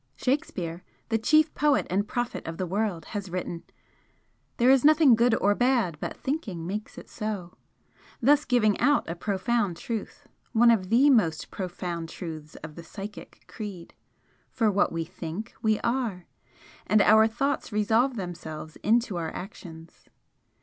Shakespeare, the chief poet and prophet of the world, has written: 'There is nothing good or bad but thinking makes it so,' thus giving out a profound truth, one of the most profound truths of the Psychic Creed. For what we THINK, we are; and our thoughts resolve themselves into our actions.